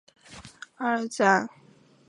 阿尔赞。